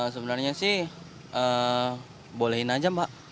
sebenarnya sih bolehin aja mbak